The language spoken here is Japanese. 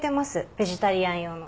ベジタリアン用の。